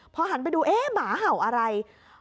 พอหันไปดูเอ๊ะหมาเห่าอะไร